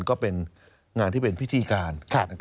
ก็เป็นงานที่เป็นพิธีการ